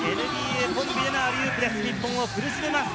ＮＢＡコンビでのアリウープです。